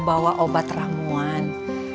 bawa obat ramuan